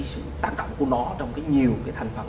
sự tác động của nó trong nhiều cái thành phần